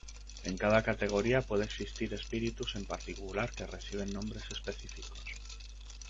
En cada categoría puede existir espíritus en particular que reciben nombres específicos.